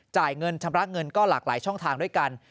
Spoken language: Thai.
จ่ายเงินชำระเงินก็หลากหลายช่องทางด้วยกัน